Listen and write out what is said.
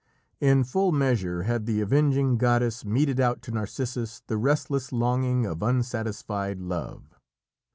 In full measure had the avenging goddess meted out to Narcissus the restless longing of unsatisfied love.